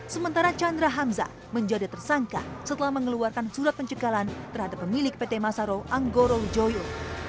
sementara chandra hamzah menjadi tersangka setelah mengeluarkan surat pencegahan terhadap pemilik pt masaro anggoro joyo